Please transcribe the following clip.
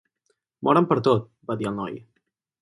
"Moren per tot", va dir el noi.